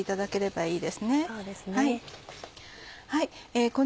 はい。